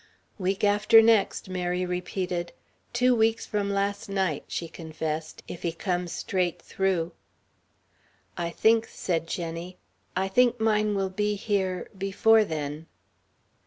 "Week after next," Mary repeated, "two weeks from last night," she confessed, "if he comes straight through." "I think," said Jenny, "I think mine will be here before then."